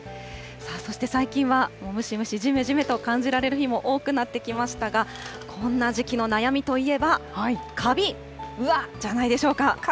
そして最近はムシムシ、じめじめと感じられる日も多くなってきましたが、こんな時期の悩みといえば、カビじゃないでしょうか。